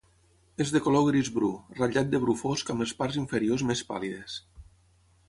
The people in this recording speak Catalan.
És de color gris bru, ratllat de bru fosc amb les parts inferiors més pàl·lides.